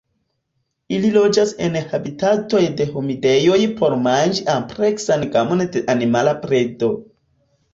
Ili loĝas en habitatoj de humidejoj por manĝi ampleksan gamon de animala predo.